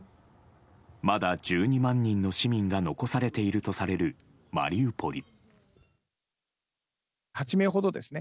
まだ１２万人の市民が残されているとされるマリウポリ。